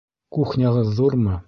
Кухняғыҙ ҙурмы?